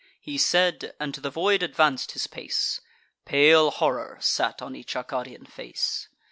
He said, and to the void advanc'd his pace: Pale horror sate on each Arcadian face.